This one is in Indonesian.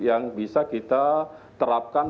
yang bisa kita terapkan